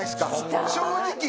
正直。